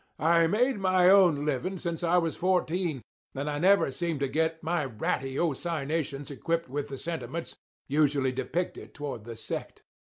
I made my own living since I was fourteen; and I never seemed to get my ratiocinations equipped with the sentiments usually depicted toward the sect.